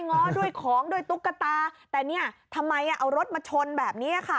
ง้อด้วยของด้วยตุ๊กตาแต่เนี่ยทำไมเอารถมาชนแบบนี้ค่ะ